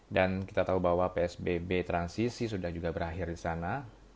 dan kita tahu bahwa psbb transisi sudah juga berakhir di sana